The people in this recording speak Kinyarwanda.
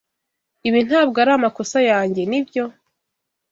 Ibi ntabwo ari amakosa yanjye, nibyo?